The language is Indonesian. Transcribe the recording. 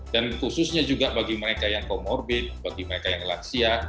dan khususnya juga bagi mereka yang komorbit bagi mereka yang laksia